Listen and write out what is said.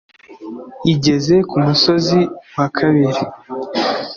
Igeze ku musozi wa kabiri,